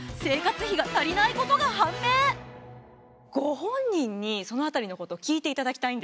ご本人にその辺りのこと聞いていただきたいんです。